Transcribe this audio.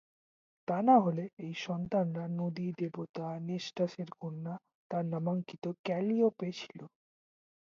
তা না হলে, এই সন্তানরা নদী-দেবতা নেসটাসের কন্যা, তার নামাঙ্কিত ক্যালিওপে ছিল।